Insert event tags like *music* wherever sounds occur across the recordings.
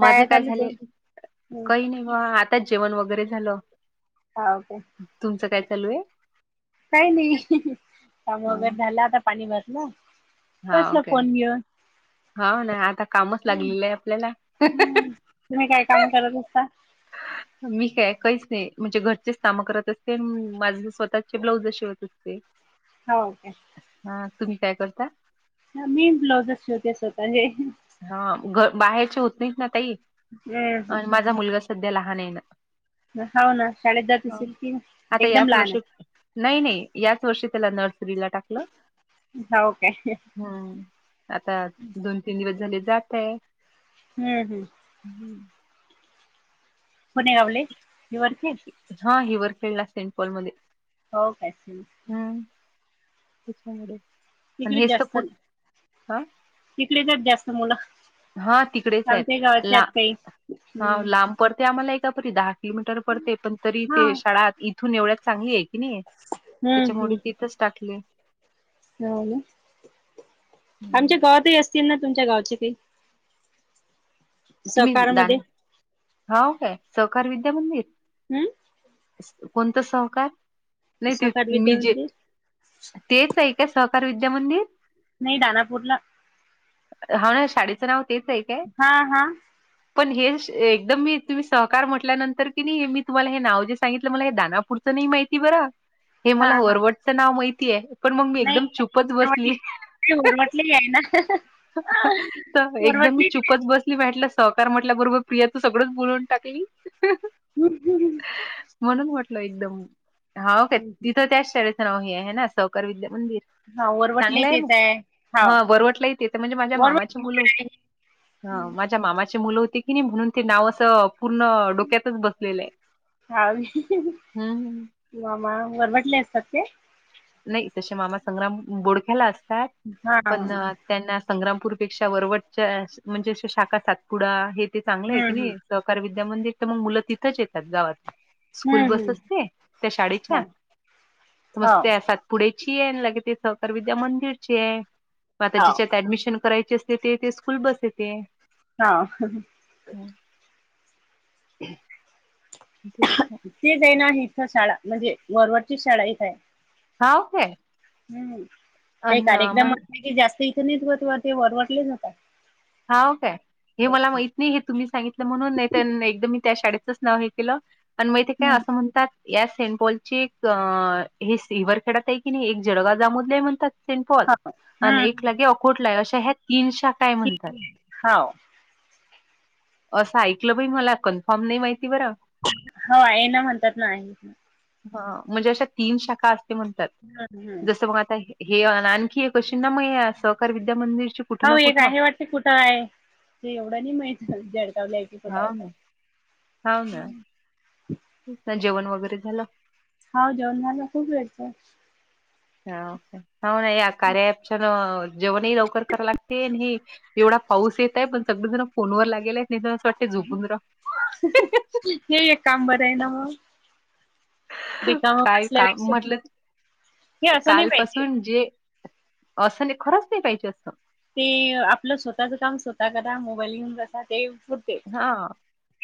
माझं काय चालू झालं तुमचं काही नाही बा आताच जेवण वगैरे झालं. हा ओके. तुमचं काय चालू आहे. काही नाही त्या मगर झालं आता पाणी भरलं. बसलं हाओके फोन घेऊन हा ना आता कामच हम्म लागलेलं आहे आपल्याला तुम्ही काय काम करत असता. मी काय काहीच नाही म्हणजे घरचेच कामं करत असते माझ स्वतःचे ब्लाऊजे होत असते. हो का? हा तुम्ही काय करता. मी ब्लाऊजच शेवते स्वतःचे हा घ बाहेरची होत नाहीत ना तई हम्म माझा मुलगा सध्या लहान आहे ना. होा ना शाळेत जात सिल्की आता एकदम याच लहान वर्षी आहे. नाही नाही याच वर्षी त्याला नर्सरीला टाक. हो काे. हा आता दोन, तीन दिवस झाले जात आहे. हम्म हम्. हम्म. कोणे गावले दि वरती हा हिवर खेळला सेंट पॉलमध्येध्ये हो कायच. *unintelligible* आणि तिकडे हेच तर जास्त पुढ हा *unintelligible* तिकडेचच आहेत जास्त मुलं. हो तिकडेच आहेत आमच्या गावातले ला आहेत काही हा हम्म लांब पडते आम्हाला एकापरी दहा किलोमीटर पडते पण तरी हा ते हम्म शाळा इथून एवढ्याच चांगली आहे कीनी नाही त्याच्यामुळे हम्म ते इथच टाकले. हो ना हम्म. आमच्या गावातही असतील ना तुमच्या गावचे काही सकारमध्ये होव काय सहकार विद्यामंदिर हम्म. कोणत सहकार नाही ते सहकार विद्या मी जे मंदिर तेच आहे का सहकार विद्यामंदिर? नाही दानापूरला हा ना शाळेचं नाव तेच आहे. काय? हा हा. पण हे एकदम मी तुम्ही सहकार म्हटल्यानंतर कीनी मी तुम्हाला हे नाव जे सांगितलं मला हे दानापूरच नाही माहिती बरं. *unintelligible* हे मला हा वरवटचं नाव माहितीय पण मग मी नाही एकदम चूपच बसली. वरवटले ते वरवटले आहे ना त एकदम मी वरवटले चुपच बस. *unintelligible* सहकार म्हटल्याबरोबर प्रिया तू सगळंच बोलून टाकली. *unintelligible* म्हणून म्हटल एकदम हा ओके तिथं त्याच शाळेचं नाव हे आहे ना. सहकार विद्यामंदिर हा वरवटले चांगलंय म तेच आहे हा वरवटलाय तेत म्हणजे माझ्या वरवट मामाची मुलं आहे. हा माझ्या मामाचे मुलं होते कीनी म्हणून ते नाव असं. पूर्ण डोक्यातच बसलेलं आहे हा हम्म हम्. मामा वरवटंले असतांत ते नाहीं तसें मामा संग्रांम बोडख्यांला असतांत हा पणं अ हम्म त्यांनां संग्रांमपूरपेक्षां वरवटच्यां म्हणजे शाखां सातपुडा हे ते चांगलं आहे की हम्म नाहीं सहकांर विद्यामंदिर तरं मंग मुलं तिथंच येतातं गावांत. स्कूंल हम्म बसं हम्म असतें त्यां शाळेच्यां हो समंस् हो सातपुढेची आहे लगे ते सहकार विद्या मंदिरची आहे मं आतां हो जिच्यांत ऍडमिशन करांयची असं येते तेे स्कूंल बसं येते. हां हम्मं तूंचं पांय तेचं आहे नां इथं शाळां म्हणजे वरवरची शाळां इथं आहे. हांव कायं हम्मं कायं कार्यक्रम मग असले की जास्तं इथे नाही होतं वरवटलेचं होतां. हांव कायं हे मलां माहीत नाहीं हे तुम्हीं सांगितल म्हणूंन नाहीं तरं एकदंम मी त्यां शाळेचंच नांव हे केलं आणि माहिते कायं हम्म असं म्हणतांत या सेंट पॉलची एक अ हे सिल्व्हर अडतं हांय की नाहीं एक जळगांव जामोद ले आहे म्हणतांत सीणंपॉल हो आणि एक हम्म लागे अकोटले अशा ह्यां तीनं शाखां हांव असं ऐकलं बांई मलां कन्फार्म नाहीं माहिती बरं हो आहे नां म्हणतांत नां हं म्हणजे अशा तीनं शाखां असते म्हणतांत हम्म जसं मंग आतां हे अनं आणखी एक कशी नां मं यां सहकांर विद्या मंदिरची कुठं ना कुठं. ते कुठं आहे ते एवढं नाहीं माहित जळगांवले आहे की कुठं आहे तरं हांव नां जेवणं वगैरें झालं. हांव जेवणं झालं खूंप वेळंच होव नां यां कार्या ॲपच्यां नं जेवणं ही लवकरं करावं लागते अनं हे एवढां पाऊस येतंय पणं सगळें जणं फोनवरं लागेल आहेतं नाहीं असं वाटतं झोपून रांहू हे एक कामं बरं आहे नां मंग रिकामं बसल्याने पेक्षा कांलपासून जे असं ते खरंच नाहीं पाहिजे असं ते आपलं स्वंतःचं कामं स्वंतः चं करां मोबाईल घेऊंन बसां ते हां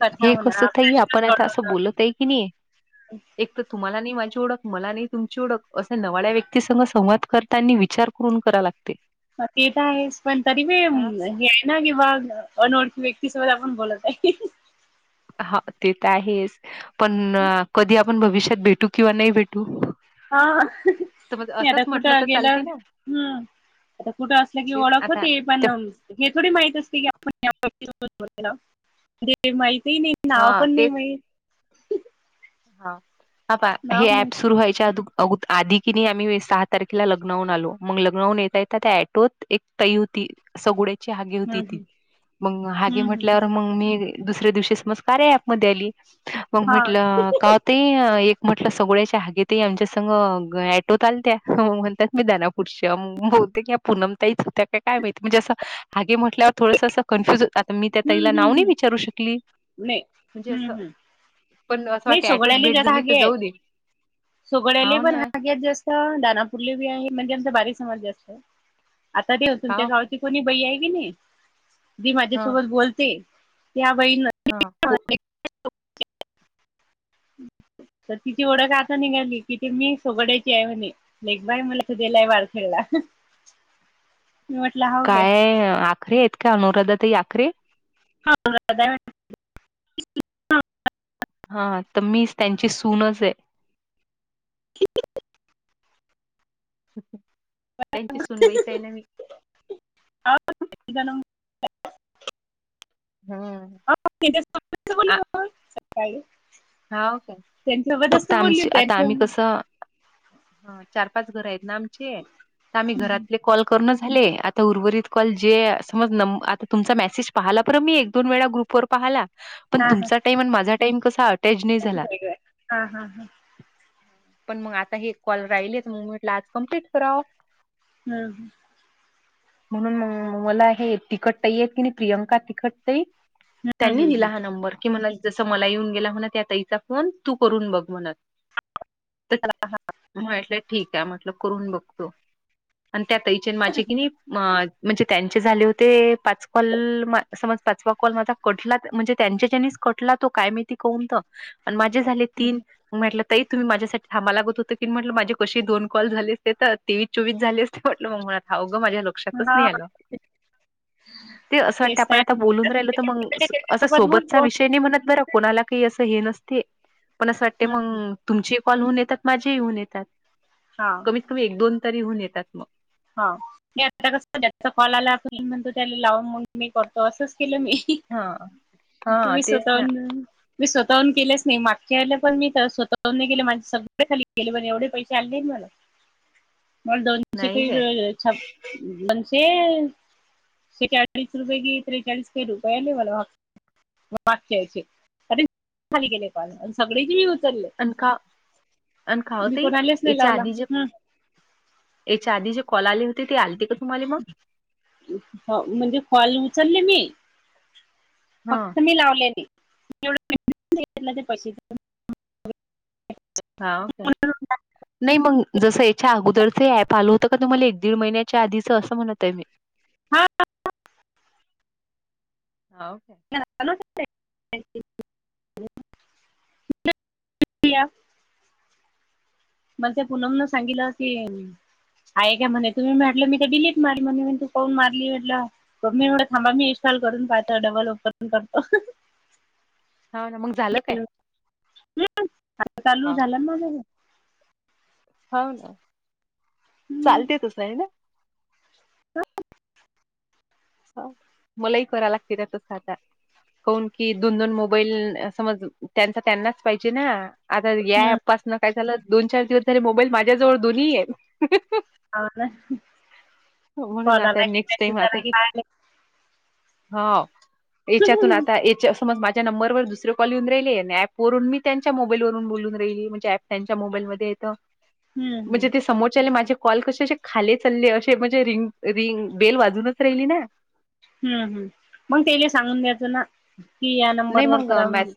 कथा हे कसं म्हणा तांई प्रश्न आपणं आतां सोडवणं असं बोलतं आहे की नाहीं एक तरं तुम्हांला नाहीं माझी ओळंख मलां नाहीं तुमंची ओळंख असे नवाळ्यां व्यक्तीस संवाद करतांनी विचारं करूंन करां लागते ते तरं आहेस पणं तरी प हा हे नां की बां अनोळंखी व्यक्ती सोबंत आपणं बोलतं आहे हां ते तरं आहेचं पणं कधीं आपणं भविष्यांत भेटूं किंवा नाहीं भेटूं हां मं आतां म्हटलं तर कुठं गेलं चालते ना. हम्मं आतां कुठं असलं कि तेच ओळंख आता होते ते पणं हे थोडी माहिती असते की आपणं ह्या व्याकती सोबतं बोलेल हांव ते माहितीही नाहीं नांव हा पणं नाही माहित हां हे नाव पण नाही ऍप सुंरू माहित व्हायचे अधूंन अगं आधी कि नाहीं आम्हीं सहां तारखेलां लग्नांहून आलो मंग लग्नांहून येतां येतां त्यां ऍटोतं एक ताई होती सगोड्यांची हागी होती हम्म ती हम्म मंग हागे हम्म म्हंटल्यावर हम्म मंग मी दुसऱ्यां दिवशी सहज कार्या ऍपमध्यें आली मंग हा म्हटलं कांव तांई ते एक म्हटलं सगळ्यांच्या हागी ते आमच्यां संंग ॲटोत आल त्यां म्हणतांत मी त्यांना कृषम बूते भवतेक यां पूनमंतांई इंच होत्यां कायं कायं माहिती म्हणजे असं हागे म्हटल्यांवर थोडंसं असं कन्फ्युज मी त्यां हम्म ताईलां हम्म नांव नाहीं हम्म विचारू शकली नाही म्हणजे असं पणं नाहीं सोगड्यांले जास्तं हागे आहेतं सोगड्यांले हाव पणं ना हाग्यांत जास्तं दानांपुरली आहे म्हणजे आमच्यां बारी समाजाचे जास्तं आतां ते तुमच्यां हाव गावं कोणी बई आहे की नाही जी हा माझ्यासोबत बोलते त्या बईण हा हो तर तिची ओळख आता निघाली किथ मी सोगड्यायची आहे म्हणे क बाय मला कधेलाय वार खेळला ी म्हटलं काय आखरे आहेत का अनुराधा तई आखरे ह हा तर मी त्यांची सूनच आहे हचछा हम्म ल सकाळी हा काय त्यांच्यासोबतच फक्त तर बोलली आमची आता त्यांच्या आम्ही कसं ह चार पाच घर आहेत ना आमचे आ आम्ही घरातले कॉल करून झाले आ ता उर्वरित कॉल जे समज नं आता तुमचा मेसेज पाहाला बर मी एक, दोन वेळा ग्रुप वर पाहाला. पण हा हा तुमचा टाईम आणि माझा टाईम कसा अटॅच नाही झाला. वेगळं हा हा हा पण मग आता हे कॉल राहिली म मिंटला आज कम्प्लीट कराव हम्. म्हणून मग मला हे तिकटताही येत की नाही प्रियंका तिखटताही हम्म त्यांनी हम्म दिला हम्म हा नंबर कि म जस मला येऊन गेला हो त्या तईचा फोन तू करून बघ म्हणतट ठीक आहे मटल करून बघतो आणि त्यातईचेन माझे की नाही अ म्हणजे त्यांचे झाले होते पाच कॉल समज पाचवा कॉल माझा कटला म्हणजे त्यांच्या जनी कटला तो काय मी त कोून पण माझे झाले तीन हम्म म्हटलं तुम्ही माझ्यासाठी थमा लागत होतं की म्हटलं माझ कशी दोन कॉल झाली असते तर ते चुवीित झालीस ते वाटल मगात अवघं माझ्या लक्षातच हा नाही आलं. ते असं वाटते तेच आपण आता तर बोलून राहिलो तर मग असं त्याच्यासोबत सोबतचा बोलतो विषय नाही म्हणत बरं. कोणाला काही असं हे नसते, पण असं वाटते मग तुमचेही कॉल होऊन येतात माझेही होऊन येतात. हा. कमीत कमी एक दोन तरी होऊन येतात मग. हा म आता कस त्याचा कॉल आला आपण म्हणतो त्याला लाव म्हणून मी करतो असंच केलं मी. हा हा तुम्ही तेच ना. स्वतःन मी स्वतःहून केेलेच नाही मागच्या आलं पण मी स्वतःहून नाही. गेले माझे सगळे खाली गेले पण एवढे पैसे आले म्ह मग दोनशे नाही काय काही छप दोनश ते चाळीस रुपये कि त्रेचाळीस काय रुपयाेले मला ह वागचे खली गेले का सगळे ज अन का अन का ओ मी ताई कोणालेच नाही याच्या लावला आधी जे ह. याच्या आधी जे कला लि हम म्हणजे कॉल उचलले मी हा फक्त मी लावलेली. *unintelligible* हा ओ काे नाही मग जसं याच्या अगोदरच ऍप आल होतं का तुम्हाला एक दीड महिन्याच्या आधीच असं म्हणतय मी. हा *unintelligible* हा *unintelligible* *unintelligible* मग ते पनम न सांगितलं की आहे काय म्हणे तुम्ही म्हटलं मी का डिलीट म म्हणे तू कान मारली म्हटला पग मी एवढं थांबा मी इन्स्टॉल करून पाहतो डबल उपकरण करतो. होा ना मग झालं काय. चालू झालं माझ. होा ना चालते तसं आहे ना. हो. हो मलई कोरा लागतर त साध. कोन की दोन दोन मोबाईल समज त्यांचा त्यांनाच पाहिजे ना. आता या हम्म. ॲप मुळेन काय झालं दोन चार दिवस तरी मोबाईल माझ्या जवळ दोन्ही आहे. हो ना कॉलला आता क नेक्स्ट टाइम आता मेसेजला. हा याच्यातून आता याच्या समज माझ माझ नंबर दुसर कॉलऊन राहिले आणि ऍपवरून मी त्यांच्या मोबाईलवरून बोलून राहिली म्हणजे प त्यांच्या मोबाईल ममध्ये य ह. म्हणजे ते समोरच्या माझे कॉल कसे असे खाले चालले असे म्हणजे रिंग रिंग बेल वाजूनच राहिली ना ह् हम् मग तेला सांगून द्यायचं ना. की या नाही नंबरवर मग करा म्हणून ब्यास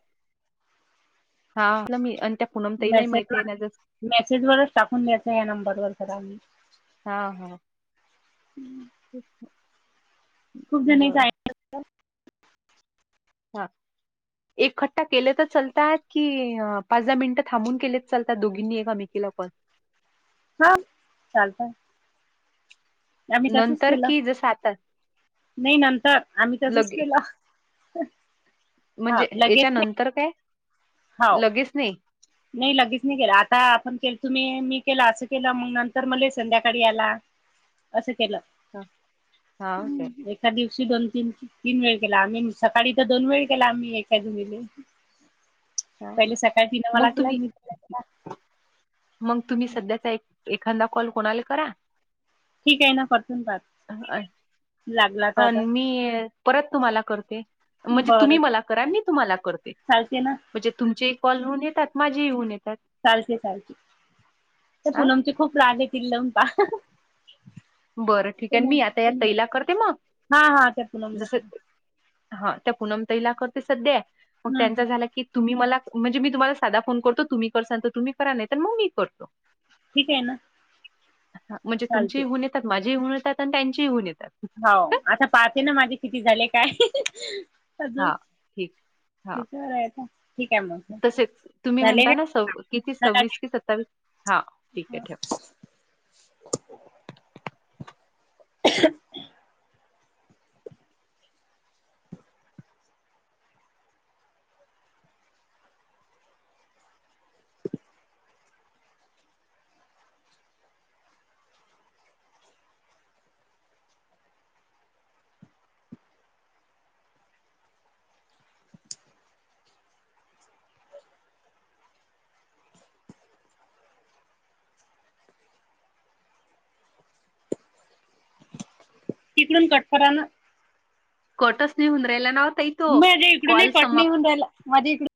हा मी त्या. पूनम ताईलाही माहिती मेसेजवर आहे ना जस मेसेजवरच टाकून द्यायचं या नंबरवरर खरा आम्ही हा हा. हम्म. ख *unintelligible* खूप जण हा एक खट्टा केलेतच चालतात की पाच दहा मिनिटं थांबून केले चालतात दोघींनी एकामेकीला पण हा चालतय. आम्ही तसच नंतर केलं की जसं आता नाही नंतर आम्ही तसच लगे केलं. का म्हणजे याच्या नंतर काय हो लगेच नाही. नाही लगेच नाही केलं आता आपण केलं तुम्ही मी केलं असं केलं मग नंतर मला संध्याकाळी याला. असं केलं. हा हा, काय दिवशी दोन तीन तीन वेळ केला आम्ही सकाळी तर दोन वेळ केला आम्ही एकाद हा मला मग केला तुम्ही मी तिला केला मग तुम्ही सध्याचा एक एखादा कॉल कोणाला करा ठीक आहे ना परतून पात. अन मी परत तुम्हाला करते. म्हणजे तुम्ही मला कराल मी तुम्हाला करते. चालतंय ना. म्हणजे तुमचेही कॉल होऊन येतात माझेही होऊन येतात. चालते चालख तर हा पुनमचे खूप लाग आहेतील लमपा. बरं ठीक आहे मी आता या तैला करते मग हा हा त्या पूनमला जस करा हा त्या पूनम तैला करते सध्या मग हम्म हम्म त्यांचा झाला की तुम्ही मला म्हणजे मी तुम्हाला साधा फोन करतो तुम्ही कर सांगत तुम्ही करा नाही तर मगी करतो. ठीक आहे ना. हा म्हणजे चालते तुमचेही होऊन येतात माझ्याहीहऊन येतात आणि त्यांच्याही होऊन येतात. हो आता पाहते ना माझे किती झाले काय. अजून हा ठीक. हा तिच्यावर आहे आता ठीक आहे मग तसे तुम्ही झाले म्हणता ना स किती का सव्वीस कि सत्तावीस हा ठीक आहे ठेव. *unintelligible* तिकडून कट करा ना. कटच नाही होऊन राहिला ना ताई. तो मध्ये इकडून नाही कॉल समाप्त पटणीऊ राहिला मध्ये इकड.